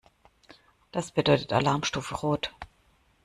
Das bedeutet Alarmstufe Rot.